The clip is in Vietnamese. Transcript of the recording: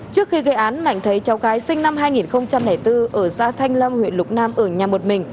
trước khi gây án mạnh thấy cháu gái sinh năm hai nghìn bốn ở xã thanh lâm huyện lục nam ở nhà một mình